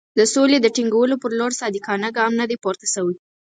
د سولې د ټینګولو پر لور صادقانه ګام نه دی پورته شوی.